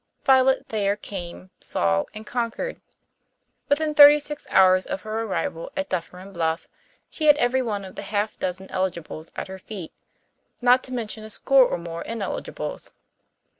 Violet Thayer came, saw, and conquered. Within thirty six hours of her arrival at Dufferin Bluff she had every one of the half dozen eligibles at her feet, not to mention a score or more ineligibles.